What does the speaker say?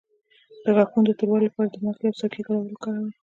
د غاښونو د توروالي لپاره د مالګې او سرکې ګډول وکاروئ